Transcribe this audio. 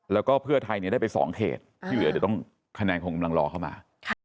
แล้วก็เพื่อไทยได้ไป๒เขตที่เหลือเดี๋ยวต้องคะแนนคงกำลังรอเข้ามา